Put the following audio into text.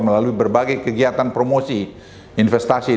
melalui berbagai kegiatan promosi investasi